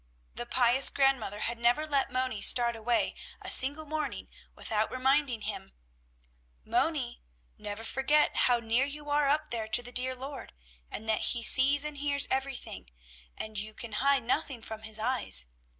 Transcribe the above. The pious grandmother had never let Moni start away a single morning, without reminding him: "Moni, never forget how near you are up there to the dear Lord, and that He sees and hears everything, and you can hide nothing from His eyes.